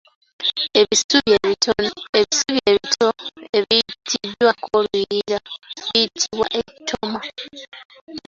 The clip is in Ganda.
Ebisubi ebito ebiyitiddwako oluyiira biyitibwa Ettooma.